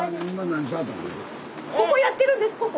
ここやってるんですここ。